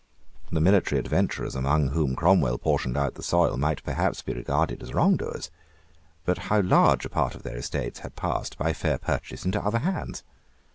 The military adventurers among whom Cromwell portioned out the soil might perhaps be regarded as wrongdoers. But how large a part of their estates had passed, by fair purchase, into other hands!